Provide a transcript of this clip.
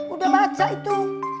udah baca itu